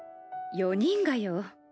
４人がよ。